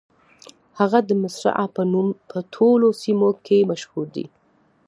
هغه د مصرعها په نوم په ټولو سیمو کې مشهورې دي.